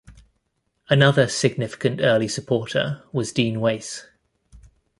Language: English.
Another significant early supporter was Dean Wace.